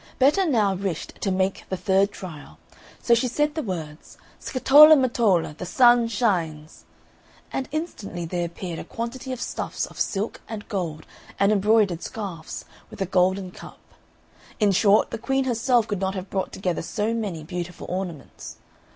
Betta now wished to make the third trial, so she said the words, "Scatola matola, the sun shines!" and instantly there appeared a quantity of stuffs of silk and gold, and embroidered scarfs, with a golden cup; in short, the Queen herself could not have brought together so many beautiful ornaments.